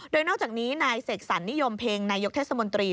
โดยนอกจากนี้นายเสกสรรนิยมเพ็งนายกเทศมนตรี